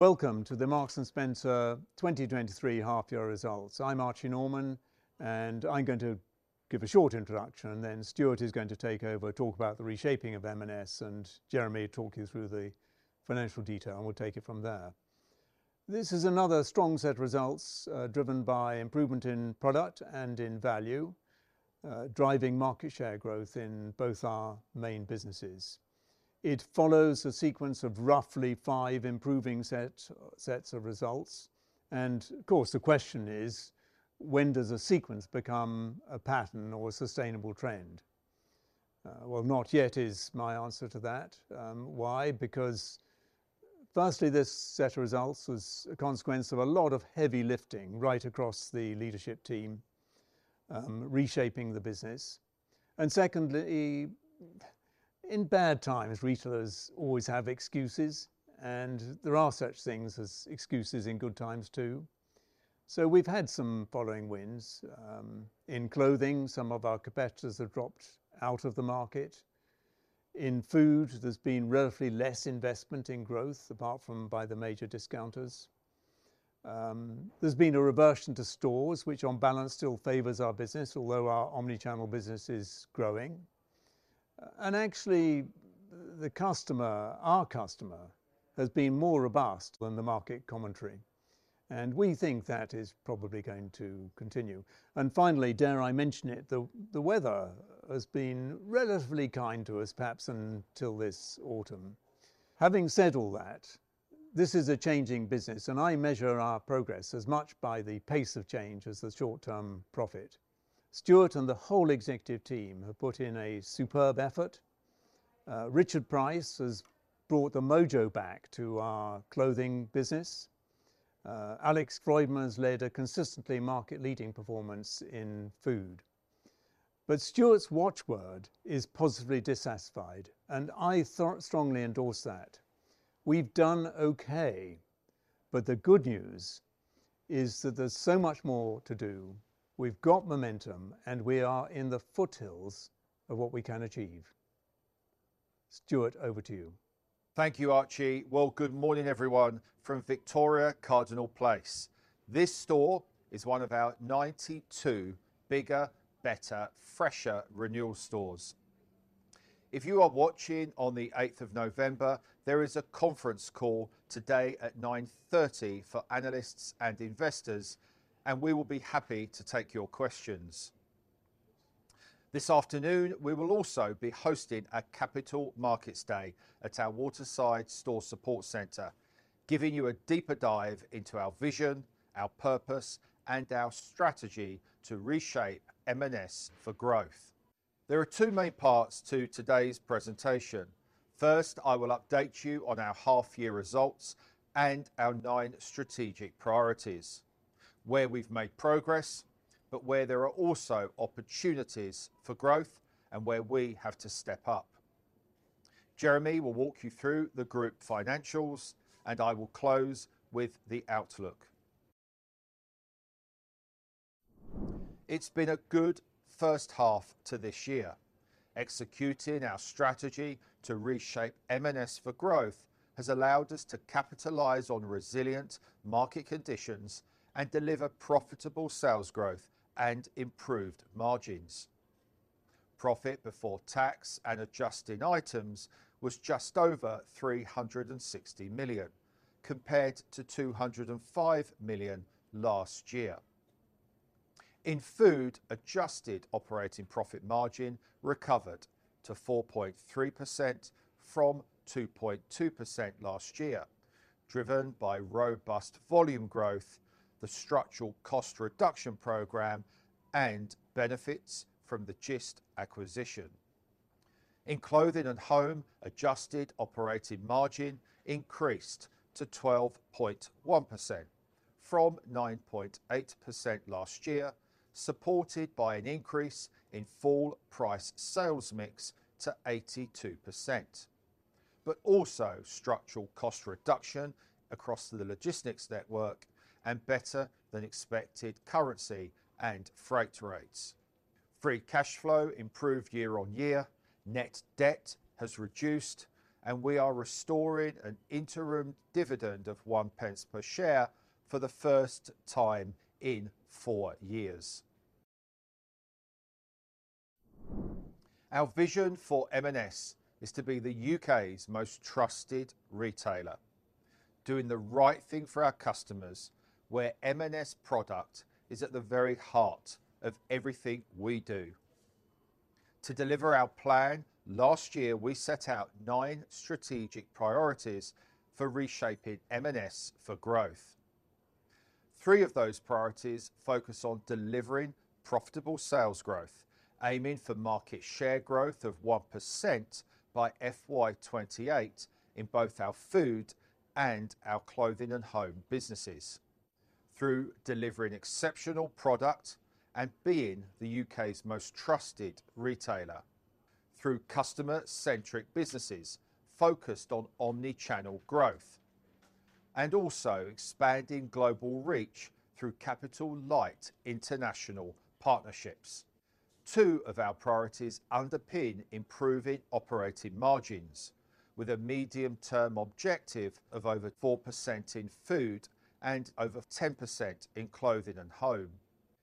Welcome to the Marks & Spencer 2023 half-year results. I'm Archie Norman, and I'm going to give a short introduction, and then Stuart is going to take over, talk about the reshaping of M&S, and Jeremy talk you through the financial detail, and we'll take it from there. This is another strong set of results, driven by improvement in product and in value, driving market share growth in both our main businesses. It follows a sequence of roughly five improving sets of results, and, of course, the question is, when does a sequence become a pattern or a sustainable trend? Well, not yet is my answer to that. Why? Because firstly, this set of results was a consequence of a lot of heavy lifting right across the leadership team, reshaping the business. Secondly, in bad times, retailers always have excuses, and there are such things as excuses in good times, too. We've had some following winds. In clothing, some of our competitors have dropped out of the market. In Food, there's been relatively less investment in growth, apart from by the major discounters. There's been a reversion to stores, which, on balance, still favors our business, although our Omni-channel business is growing. Actually, the customer, our customer, has been more robust than the market commentary, and we think that is probably going to continue. Finally, dare I mention it, the weather has been relatively kind to us, perhaps until this autumn. Having said all that, this is a changing business, and I measure our progress as much by the pace of change as the short-term profit. Stuart and the whole executive team have put in a superb effort. Richard Price has brought the mojo back to our clothing business. Alex Freudmann has led a consistently market-leading performance in Food. But Stuart's watchword is positively dissatisfied, and I strongly endorse that. We've done okay, but the good news is that there's so much more to do. We've got momentum, and we are in the foothills of what we can achieve. Stuart, over to you. Thank you, Archie. Well, good morning, everyone, from Victoria, Cardinal Place. This store is one of our 92 bigger, better, fresher renewal stores. If you are watching on the eighth of November, there is a conference call today at 9:30 A.M. for analysts and investors, and we will be happy to take your questions. This afternoon, we will also be hosting a Capital Markets Day at our Waterside Store Support Centre, giving you a deeper dive into our vision, our purpose, and our strategy to reshape M&S for growth. There are two main parts to today's presentation. First, I will update you on our half-year results and our nine strategic priorities, where we've made progress, but where there are also opportunities for growth and where we have to step up. Jeremy will walk you through the group financials, and I will close with the outlook. It's been a good first half to this year. Executing our strategy to reshape M&S for growth has allowed us to capitalize on resilient market conditions and deliver profitable sales growth and improved margins. Profit before tax and adjusting items was just over 360 million, compared to 205 million last year. In Food, adjusted operating profit margin recovered to 4.3% from 2.2% last year, driven by robust volume growth, the structural cost reduction program, and benefits from the Gist acquisition. In Clothing & Home, adjusted operating margin increased to 12.1% from 9.8% last year, supported by an increase in full price sales mix to 82%, but also structural cost reduction across the logistics network and better-than-expected currency and freight rates. Free cash flow improved year-on-year, net debt has reduced, and we are restoring an interim dividend of 0.01 per share for the first time in four years. Our vision for M&S is to be the U.K.'s most trusted retailer, doing the right thing for our customers, where M&S product is at the very heart of everything we do. To deliver our plan, last year we set out nine strategic priorities for reshaping M&S for growth. Three of those priorities focus on delivering profitable sales growth, aiming for market share growth of 1% by FY 2028 in both our Food and our Clothing & Home businesses through delivering exceptional product and being the U.K.'s most trusted retailer, through customer-centric businesses focused on Omni-channel growth, and also expanding global reach through capital-light international partnerships. Two of our priorities underpin improving operating margins, with a medium-term objective of over 4% in Food and over 10% in Clothing & Home.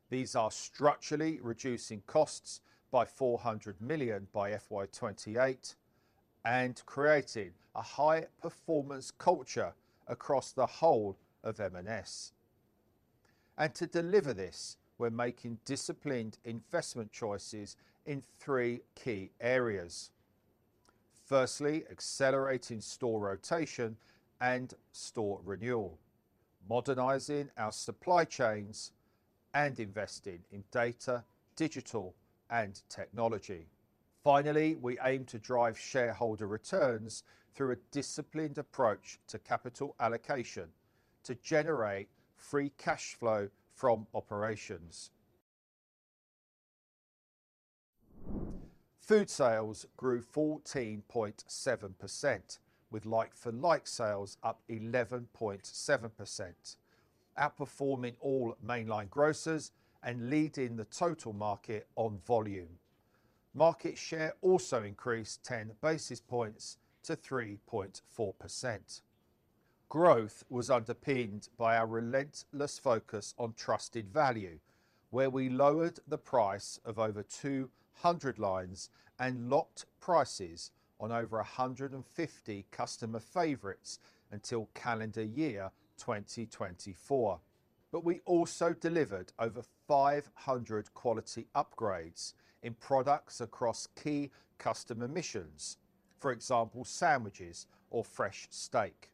These are structurally reducing costs by 400 million by FY 2028 and creating a high-performance culture across the whole of M&S. And to deliver this, we're making disciplined investment choices in three key areas. Firstly, accelerating store rotation and store renewal, modernizing our supply chains, and investing in data, digital, and technology. Finally, we aim to drive shareholder returns through a disciplined approach to capital allocation to generate free cash flow from operations. Food sales grew 14.7%, with like-for-like sales up 11.7%, outperforming all mainline grocers and leading the total market on volume. Market share also increased 10 basis points to 3.4%. Growth was underpinned by our relentless focus on trusted value, where we lowered the price of over 200 lines and locked prices on over 150 customer favorites until calendar year 2024. But we also delivered over 500 quality upgrades in products across key customer missions, for example, sandwiches or fresh steak,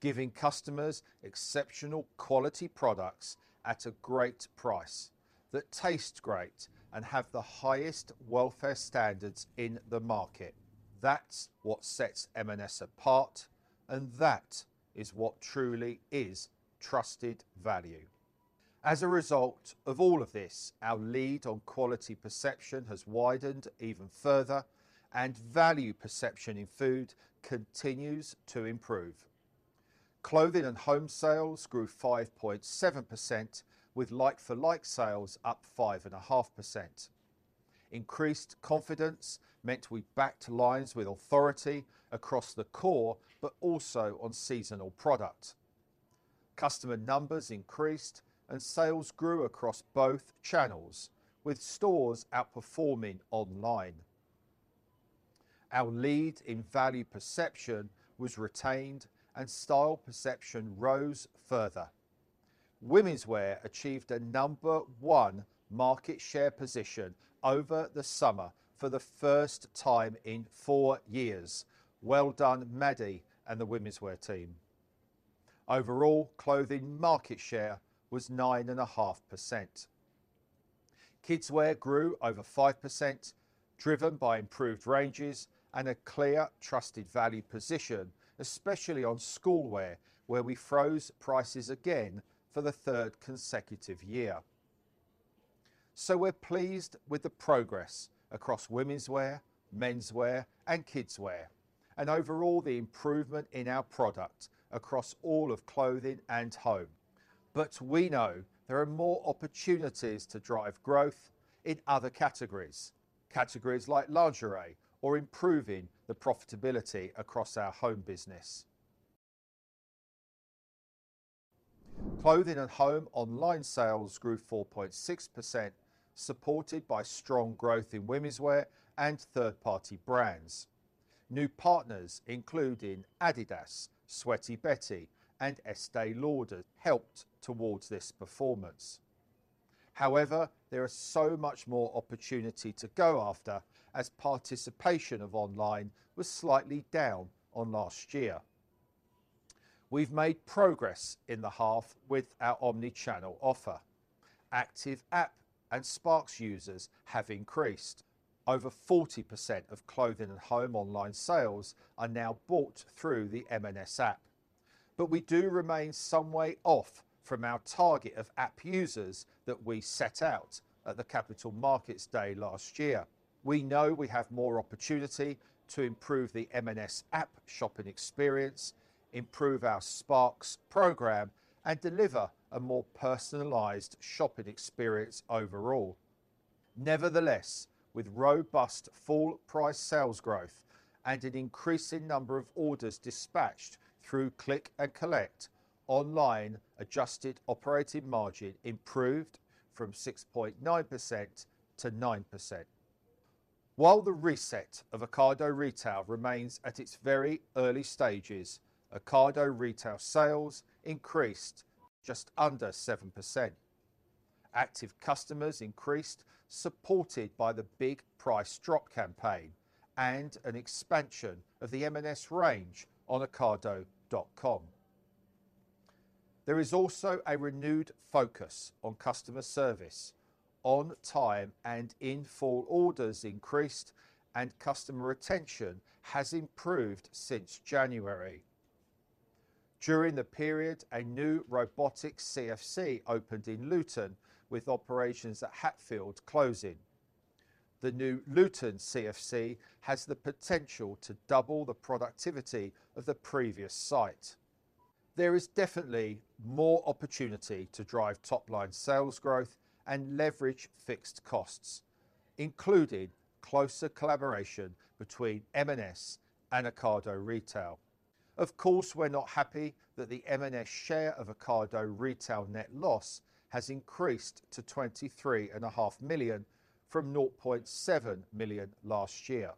giving customers exceptional quality products at a great price that taste great and have the highest welfare standards in the market. That's what sets M&S apart, and that is what truly is trusted value. As a result of all of this, our lead on quality perception has widened even further, and value perception in Food continues to improve. Clothing & Home sales grew 5.7%, with like-for-like sales up 5.5%. Increased confidence meant we backed lines with authority across the core, but also on seasonal product. Customer numbers increased, and sales grew across both channels, with stores outperforming online. Our lead in value perception was retained, and style perception rose further. Womenswear achieved a number one market share position over the summer for the first time in four years. Well done, Maddy and the womenswear team! Overall, clothing market share was 9.5%. Kidswear grew over 5%, driven by improved ranges and a clear, trusted value position, especially on schoolwear, where we froze prices again for the third consecutive year. So we're pleased with the progress across womenswear, menswear, and kidswear, and overall, the improvement in our product across all of Clothing & Home. But we know there are more opportunities to drive growth in other categories, categories like lingerie or improving the profitability across our home business. Clothing & Home online sales grew 4.6%, supported by strong growth in womenswear and third-party brands. New partners, including Adidas, Sweaty Betty, and Estée Lauder, helped towards this performance. However, there is so much more opportunity to go after, as participation of online was slightly down on last year. We've made progress in the half with our omni-channel offer. Active app and Sparks users have increased. Over 40% of Clothing & Home online sales are now bought through the M&S app, but we do remain some way off from our target of app users that we set out at the Capital Markets Day last year. We know we have more opportunity to improve the M&S app shopping experience, improve our Sparks program, and deliver a more personalized shopping experience overall. Nevertheless, with robust full-price sales growth and an increasing number of orders dispatched through Click and Collect, online adjusted operating margin improved from 6.9% to 9%. While the reset of Ocado Retail remains at its very early stages, Ocado Retail sales increased just under 7%. Active customers increased, supported by the Big Price Drop campaign and an expansion of the M&S range on ocado.com. There is also a renewed focus on customer service. On-time and in-full orders increased, and customer retention has improved since January. During the period, a new robotic CFC opened in Luton, with operations at Hatfield closing. The new Luton CFC has the potential to double the productivity of the previous site. There is definitely more opportunity to drive top line sales growth and leverage fixed costs, including closer collaboration between M&S and Ocado Retail. Of course, we're not happy that the M&S share of Ocado Retail net loss has increased to 23.5 million from 0.7 million last year.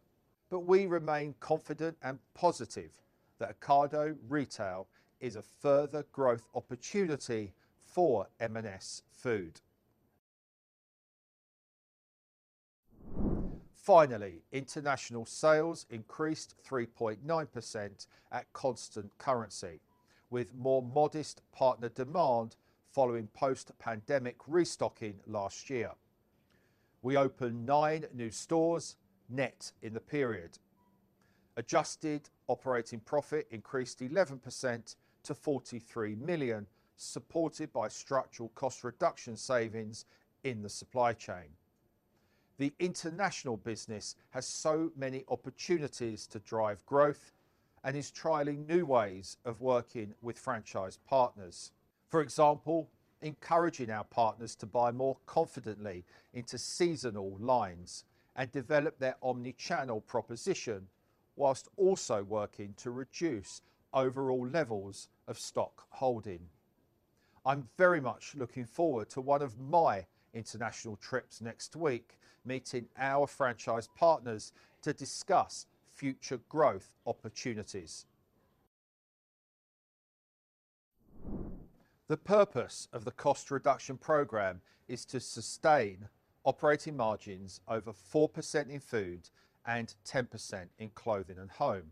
But we remain confident and positive that Ocado Retail is a further growth opportunity for M&S Food. Finally, international sales increased 3.9% at constant currency, with more modest partner demand following post-pandemic restocking last year. We opened nine new stores net in the period. Adjusted operating profit increased 11% to 43 million, supported by structural cost reduction savings in the supply chain. The international business has so many opportunities to drive growth and is trialing new ways of working with franchise partners. For example, encouraging our partners to buy more confidently into seasonal lines and develop their omni-channel proposition, while also working to reduce overall levels of stock holding. I'm very much looking forward to one of my international trips next week, meeting our franchise partners to discuss future growth opportunities. The purpose of the cost reduction program is to sustain operating margins over 4% in Food and 10% in Clothing & Home,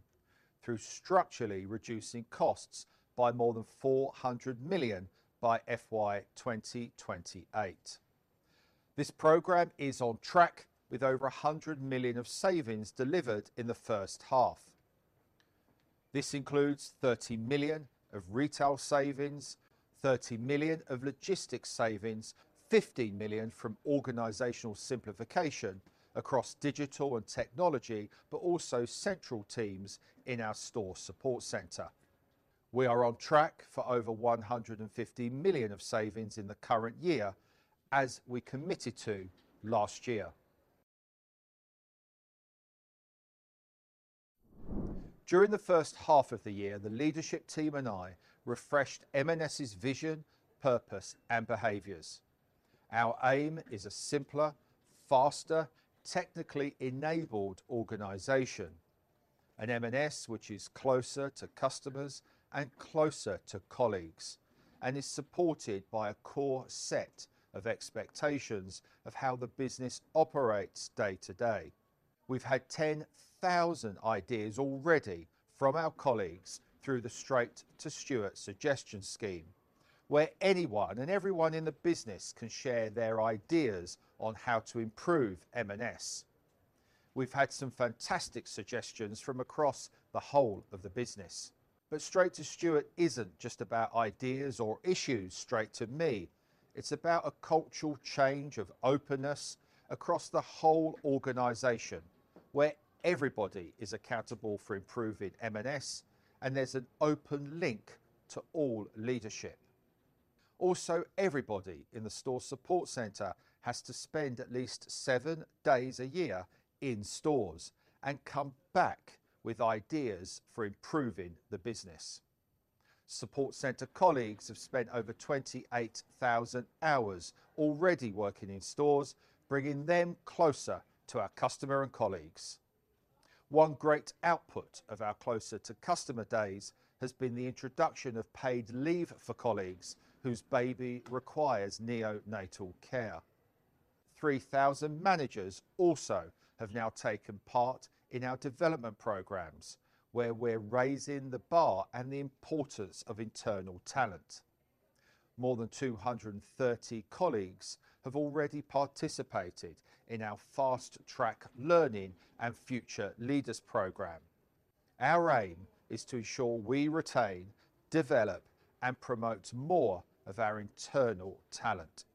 through structurally reducing costs by more than 400 million by FY 2028. This program is on track, with over 100 million of savings delivered in the first half. This includes 30 million of retail savings, 30 million of logistics savings, 50 million from organizational simplification across digital and technology, but also central teams in our store support center. We are on track for over 150 million of savings in the current year, as we committed to last year. During the first half of the year, the leadership team and I refreshed M&S's vision, purpose, and behaviors. Our aim is a simpler, faster, technically enabled organization, an M&S which is closer to customers and closer to colleagues, and is supported by a core set of expectations of how the business operates day to day. We've had 10,000 ideas already from our colleagues through the Straight to Stuart suggestion scheme, where anyone and everyone in the business can share their ideas on how to improve M&S. We've had some fantastic suggestions from across the whole of the business. But Straight to Stuart isn't just about ideas or issues straight to me, it's about a cultural change of openness across the whole organization, where everybody is accountable for improving M&S, and there's an open link to all leadership. Also, everybody in the store support center has to spend at least seven days a year in stores and come back with ideas for improving the business. Support center colleagues have spent over 28,000 hours already working in stores, bringing them closer to our customer and colleagues. One great output of our Closer to Customer days has been the introduction of paid leave for colleagues whose baby requires neonatal care. 3,000 managers also have now taken part in our development programs, where we're raising the bar and the importance of internal talent. More than 230 colleagues have already participated in our fast track learning and future leaders program. Our aim is to ensure we retain, develop, and promote more of our internal talent.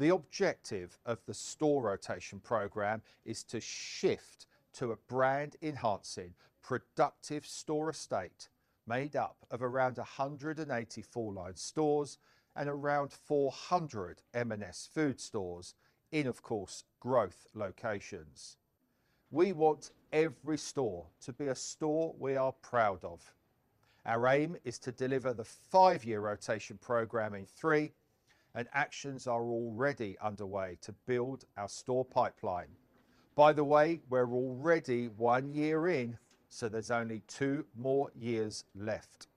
The objective of the store rotation program is to shift to a brand-enhancing, productive store estate made up of around 180 full-line stores and around 400 M&S Food stores in, of course, growth locations. We want every store to be a store we are proud of. Our aim is to deliver the five-year rotation program in three, and actions are already underway to build our store pipeline. By the way, we're already one year in, so there's only two more years left.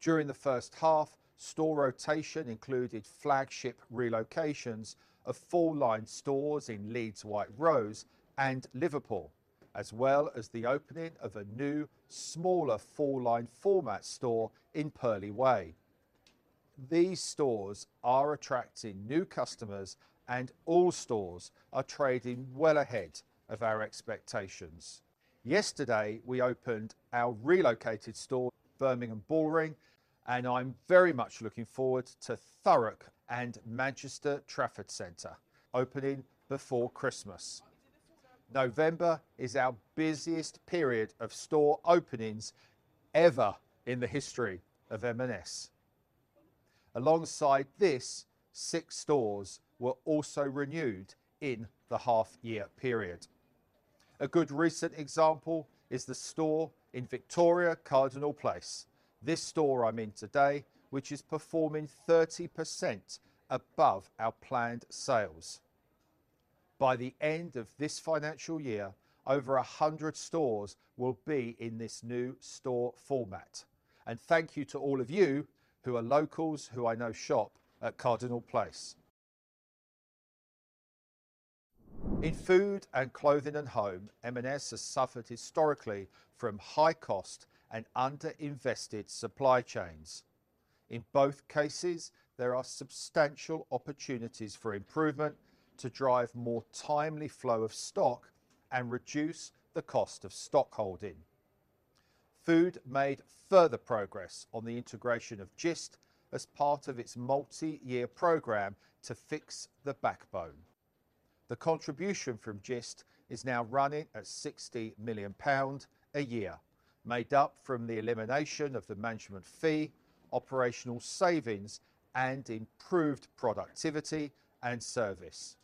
During the first half, store rotation included flagship relocations of full-line stores in Leeds, White Rose, and Liverpool, as well as the opening of a new, smaller full-line format store in Purley Way. These stores are attracting new customers, and all stores are trading well ahead of our expectations. Yesterday, we opened our relocated store, Birmingham Bullring, and I'm very much looking forward to Thurrock and Manchester Trafford Centre opening before Christmas. November is our busiest period of store openings ever in the history of M&S. Alongside this, 6 stores were also renewed in the half-year period. A good recent example is the store in Victoria, Cardinal Place, this store I'm in today, which is performing 30% above our planned sales. By the end of this financial year, over 100 stores will be in this new store format, and thank you to all of you who are locals who I know shop at Cardinal Place. In Food and Clothing & Home, M&S has suffered historically from high cost and under-invested supply chains. In both cases, there are substantial opportunities for improvement to drive more timely flow of stock and reduce the cost of stockholding. Food made further progress on the integration of Gist as part of its multi-year program to fix the backbone. The contribution from Gist is now running at 60 million pound a year, made up from the elimination of the management fee, operational savings, and improved productivity and service.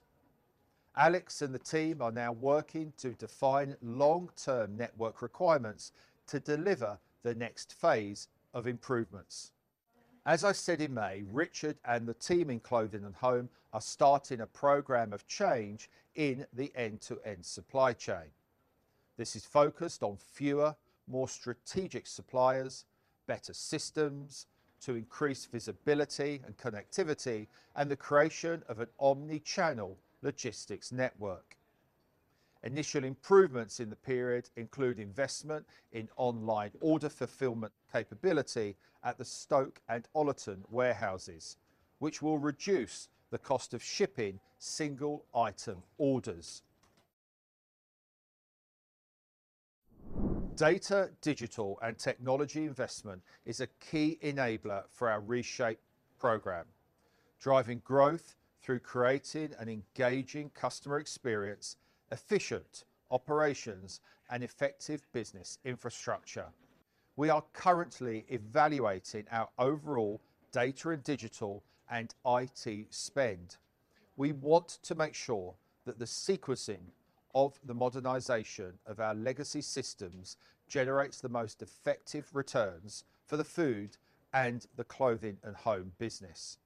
Alex and the team are now working to define long-term network requirements to deliver the next phase of improvements. As I said in May, Richard and the team in Clothing & Home are starting a program of change in the end-to-end supply chain. This is focused on fewer, more strategic suppliers, better systems to increase visibility and connectivity, and the creation of an omni-channel logistics network. Initial improvements in the period include investment in online order fulfillment capability at the Stoke and Ollerton warehouses, which will reduce the cost of shipping single-item orders. Data, digital, and technology investment is a key enabler for our Reshape program, driving growth through creating an engaging customer experience, efficient operations, and effective business infrastructure. We are currently evaluating our overall data and digital and IT spend. We want to make sure that the sequencing of the modernization of our legacy systems generates the most effective returns for the Food and the Clothing & Home business.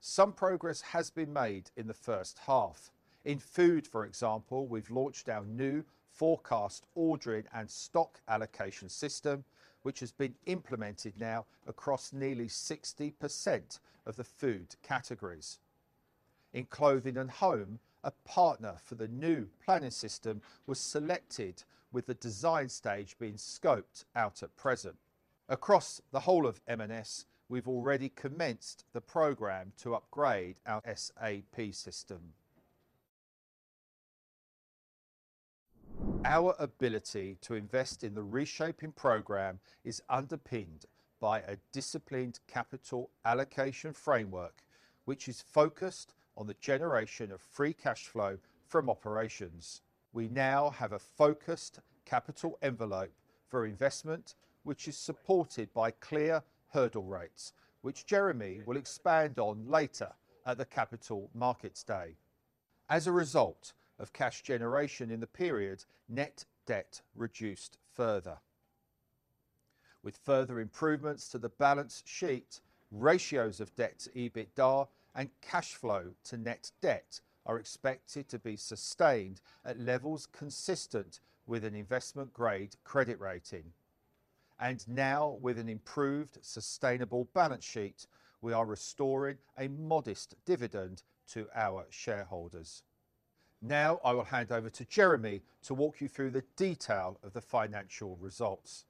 Some progress has been made in the first half. In Food, for example, we've launched our new forecast ordering and stock allocation system, which has been implemented now across nearly 60% of the Food categories. In Clothing & Home, a partner for the new planning system was selected, with the design stage being scoped out at present. Across the whole of M&S, we've already commenced the program to upgrade our SAP system. Our ability to invest in the Reshaping program is underpinned by a disciplined capital allocation framework, which is focused on the generation of free cash flow from operations. We now have a focused capital envelope for investment, which is supported by clear hurdle rates, which Jeremy will expand on later at the Capital Markets Day. As a result of cash generation in the period, net debt reduced further. With further improvements to the balance sheet, ratios of debt to EBITDA and cash flow to net debt are expected to be sustained at levels consistent with an investment-grade credit rating. And now, with an improved, sustainable balance sheet, we are restoring a modest dividend to our shareholders. Now I will hand over to Jeremy to walk you through the detail of the financial results.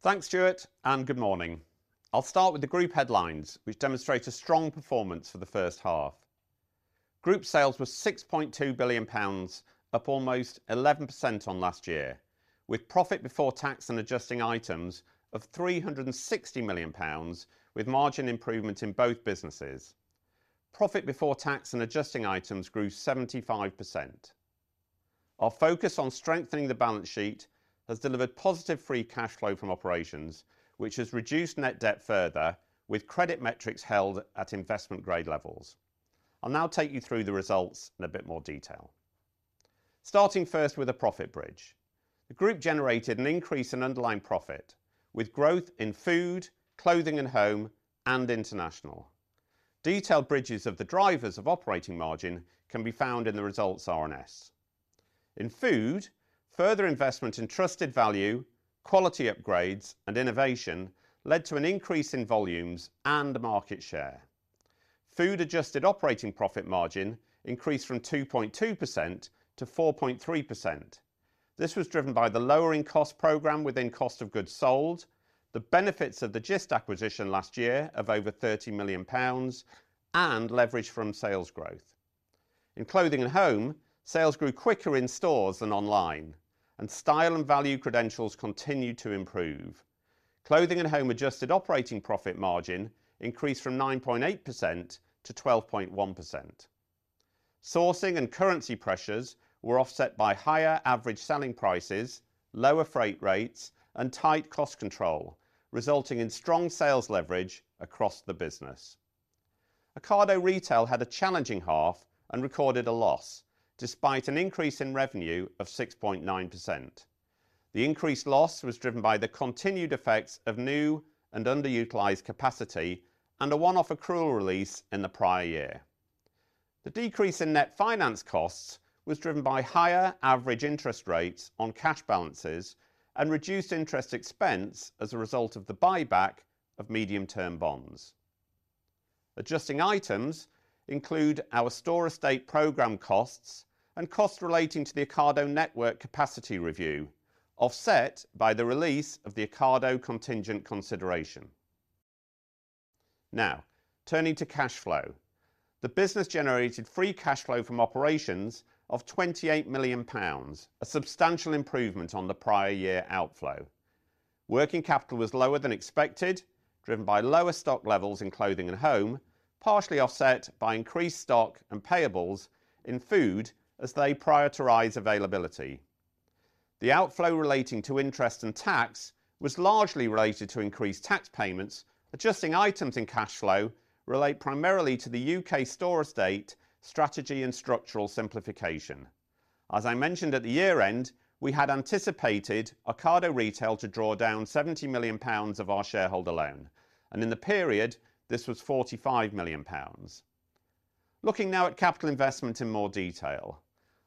Thanks, Stuart, and good morning. I'll start with the group headlines, which demonstrate a strong performance for the first half. Group sales were 6.2 billion pounds, up almost 11% on last year, with profit before tax and adjusting items of 360 million pounds, with margin improvement in both businesses. Profit before tax and adjusting items grew 75%. Our focus on strengthening the balance sheet has delivered positive free cash flow from operations, which has reduced net debt further, with credit metrics held at investment-grade levels. I'll now take you through the results in a bit more detail. Starting first with the profit bridge. The group generated an increase in underlying profit, with growth in Food, Clothing & Home, and International. Detailed bridges of the drivers of operating margin can be found in the results RNS. In Food, further investment in trusted value, quality upgrades, and innovation led to an increase in volumes and market share. Food adjusted operating profit margin increased from 2.2% to 4.3%. This was driven by the lowering cost program within cost of goods sold, the benefits of the Gist acquisition last year of over 30 million pounds, and leverage from sales growth. In Clothing & Home, sales grew quicker in stores than online, and style and value credentials continued to improve. Clothing & Home adjusted operating profit margin increased from 9.8%-12.1%. Sourcing and currency pressures were offset by higher average selling prices, lower freight rates, and tight cost control, resulting in strong sales leverage across the business. Ocado Retail had a challenging half and recorded a loss, despite an increase in revenue of 6.9%. The increased loss was driven by the continued effects of new and underutilized capacity, and a one-off accrual release in the prior year. The decrease in net finance costs was driven by higher average interest rates on cash balances and reduced interest expense as a result of the buyback of medium-term bonds. Adjusting items include our store estate program costs and costs relating to the Ocado Network capacity review, offset by the release of the Ocado contingent consideration. Now, turning to cash flow. The business generated free cash flow from operations of 28 million pounds, a substantial improvement on the prior year outflow. Working capital was lower than expected, driven by lower stock levels in Clothing & Home, partially offset by increased stock and payables in Food as they prioritize availability. The outflow relating to interest and tax was largely related to increased tax payments. Adjusting items in cash flow relate primarily to the UK store estate strategy and structural simplification. As I mentioned at the year-end, we had anticipated Ocado Retail to draw down 70 million pounds of our shareholder loan, and in the period, this was 45 million pounds. Looking now at capital investment in more detail.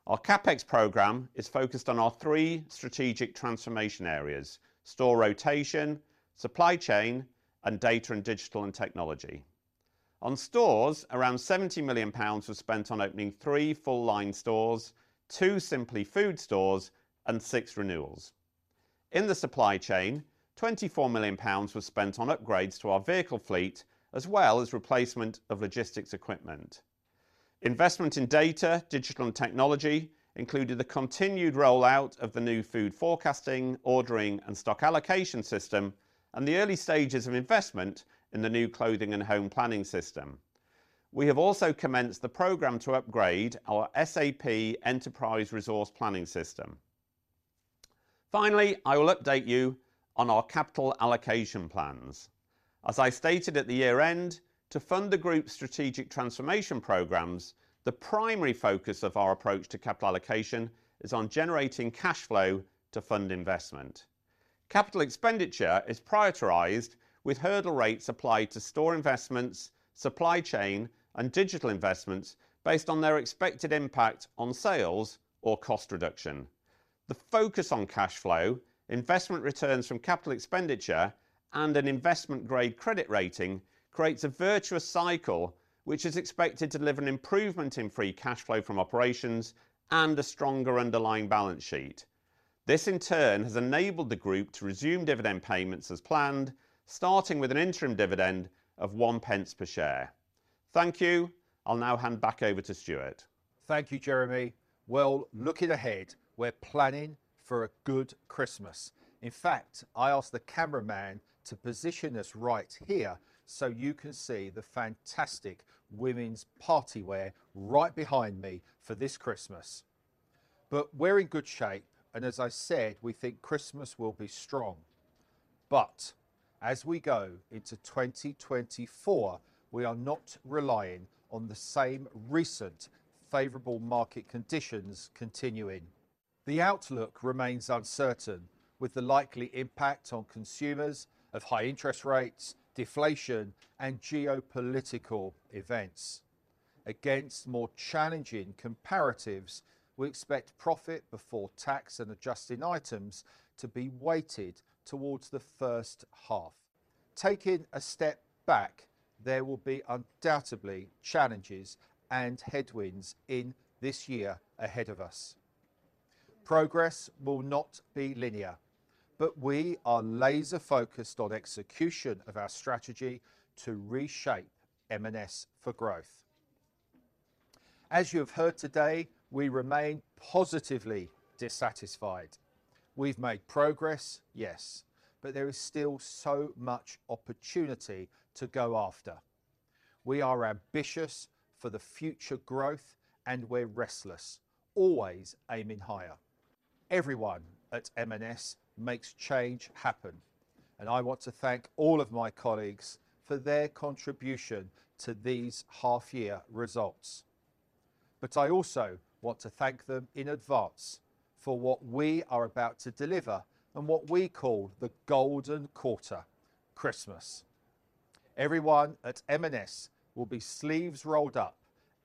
Our CapEx program is focused on our three strategic transformation areas: store rotation, supply chain, and data and digital and technology. On stores, around 70 million pounds was spent on opening three full-line stores, two Simply Food stores, and six renewals. In the supply chain, 24 million pounds was spent on upgrades to our vehicle fleet, as well as replacement of logistics equipment. Investment in data, digital, and technology included the continued rollout of the new Food forecasting, ordering, and stock allocation system, and the early stages of investment in the new Clothing & Home planning system. We have also commenced the program to upgrade our SAP enterprise resource planning system. Finally, I will update you on our capital allocation plans. As I stated at the year-end, to fund the group's strategic transformation programs, the primary focus of our approach to capital allocation is on generating cash flow to fund investment. Capital expenditure is prioritized with hurdle rates applied to store investments, supply chain, and digital investments based on their expected impact on sales or cost reduction. The focus on cash flow, investment returns from capital expenditure, and an investment-grade credit rating creates a virtuous cycle, which is expected to deliver an improvement in free cash flow from operations and a stronger underlying balance sheet. This, in turn, has enabled the group to resume dividend payments as planned, starting with an interim dividend of 0.01 per share. Thank you. I'll now hand back over to Stuart. Thank you, Jeremy. Well, looking ahead, we're planning for a good Christmas. In fact, I asked the cameraman to position us right here so you can see the fantastic women's party wear right behind me for this Christmas. We're in good shape, and as I said, we think Christmas will be strong. As we go into 2024, we are not relying on the same recent favorable market conditions continuing. The outlook remains uncertain, with the likely impact on consumers of high interest rates, deflation, and geopolitical events. Against more challenging comparatives, we expect profit before tax and adjusting items to be weighted towards the first half. Taking a step back, there will be undoubtedly challenges and headwinds in this year ahead of us. Progress will not be linear, but we are laser-focused on execution of our strategy to reshape M&S for growth. As you have heard today, we remain positively dissatisfied. We've made progress, yes, but there is still so much opportunity to go after. We are ambitious for the future growth, and we're restless, always aiming higher. Everyone at M&S makes change happen, and I want to thank all of my colleagues for their contribution to these half-year results. But I also want to thank them in advance for what we are about to deliver and what we call the golden quarter, Christmas. Everyone at M&S will be sleeves rolled up,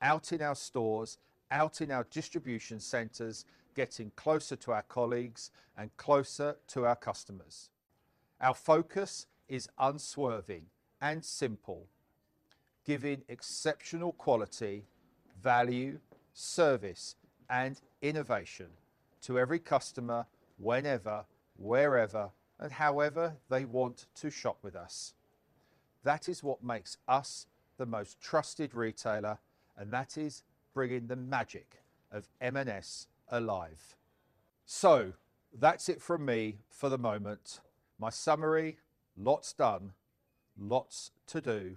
out in our stores, out in our distribution centers, getting closer to our colleagues and closer to our customers. Our focus is unswerving and simple, giving exceptional quality, value, service, and innovation to every customer whenever, wherever, and however they want to shop with us. That is what makes us the most trusted retailer, and that is bringing the magic of M&S alive. That's it from me for the moment. My summary: lots done, lots to do,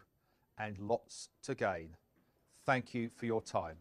and lots to gain. Thank you for your time.